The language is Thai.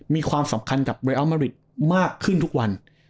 มีความสำคัญกับเรอัลมาริดมากขึ้นทุกวัน